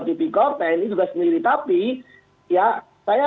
tipikor tni juga sendiri tapi ya saya